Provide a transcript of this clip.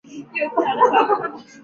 李英爱也拍摄了很多商业广告片。